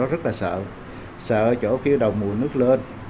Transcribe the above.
tôi rất là sợ sợ chỗ kia đồng mùi nước lên